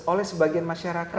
oleh sebagian masyarakat